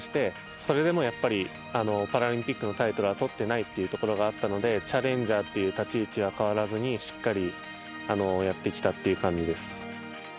それでも、やっぱりパラリンピックのタイトルはとっていないというところがあったのでチャレンジャーという立ち位置は変わらずにしっかりやってきたという感じです。